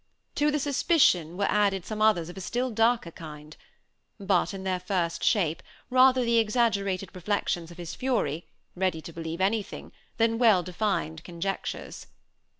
To this suspicion were added some others of a still darker kind; but in their first shape, rather the exaggerated reflections of his fury, ready to believe anything, than well defined conjectures.